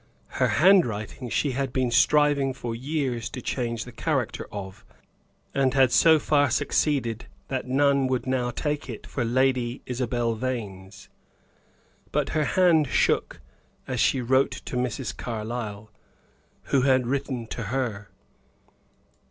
Her handwriting she had been striving for years to change the character of, and had so far succeeded that none would now take it for Lady Isabel Vane's. But her hand shook as she wrote to Mrs. Carlyle who had written to her.